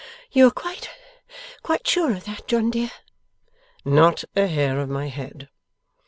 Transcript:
'You are quite, quite sure of that, John dear?' 'Not a hair of my head!